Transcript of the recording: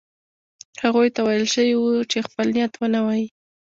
هغوی ته ویل شوي وو چې خپل نیت ونه وايي.